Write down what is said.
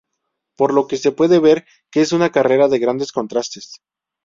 Por lo que se puede ver que es una carrera de grandes contrastes.